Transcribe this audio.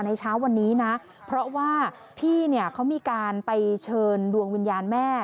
เช้าวันนี้นะเพราะว่าพี่เนี่ยเขามีการไปเชิญดวงวิญญาณแม่